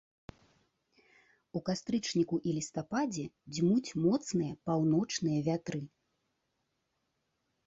У кастрычніку і лістападзе дзьмуць моцныя паўночныя вятры.